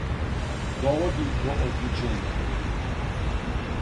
Доводи до отуђења.